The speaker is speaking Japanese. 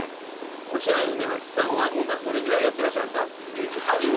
こちらうめ八さんはどれぐらいやってらっしゃるんですか？